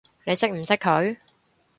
你識唔識佢？